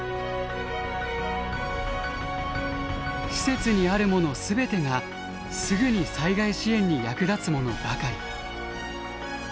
施設にあるもの全てがすぐに災害支援に役立つものばかり。